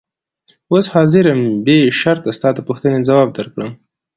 اوس حاضر یم بې شرطه ستا د پوښتنې ځواب درکړم.